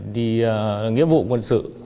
đi nghiệp vụ quân sự